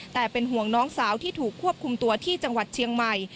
แต่เป็นห่วงน้องสาวที่ถูกควบคุมตัวที่จังหวัดเชียงใหม่